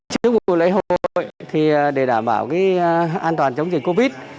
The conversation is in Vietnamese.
trước vụ lễ hội thì để đảm bảo an toàn chống dịch covid